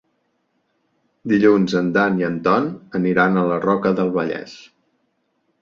Dilluns en Dan i en Ton aniran a la Roca del Vallès.